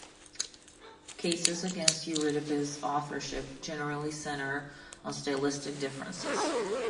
Cases against Euripides' authorship generally center on stylistic differences.